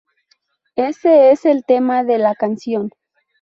Ese es el tema de la canción.